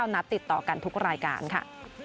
นัดติดต่อกันทุกรายการค่ะ